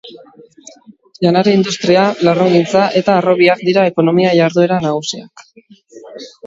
Janari industria, larrugintza eta harrobiak dira ekonomia jarduera nagusiak.